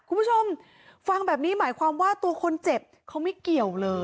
คุณผู้ชมฟังแบบนี้หมายความว่าตัวคนเจ็บเขาไม่เกี่ยวเลย